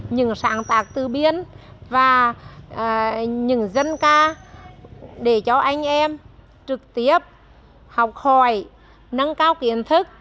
những sáng tác tư biên và những dân ca để cho anh em trực tiếp học hỏi nâng cao kiến thức